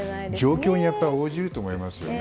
状況に応じると思いますよね。